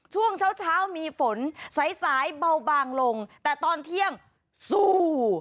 ช่วงเช้ามีฝนสายเบาลงแต่ตอนเที่ยงสู้